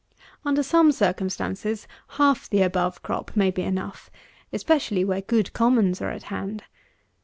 Under some circumstances, half the above crop may be enough; especially where good commons are at hand.